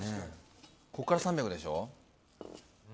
ここから３００でしょ。